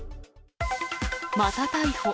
また逮捕。